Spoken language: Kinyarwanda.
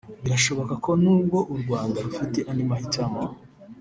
Birashoboka ko nubwo u Rwanda rufite andi mahitamo